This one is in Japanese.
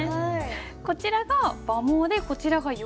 こちらが馬毛でこちらが羊毛です。